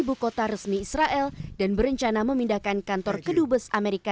ibu kota resmi israel dan berencana memindahkan kantor kedubes amerika